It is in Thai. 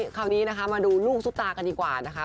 คราวนี้นะคะมาดูลูกซุปตากันดีกว่านะคะ